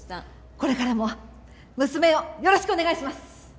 これからも娘をよろしくお願いします！